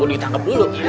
oh ditangkap dulu